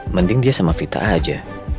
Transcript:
mending dia sama vita aja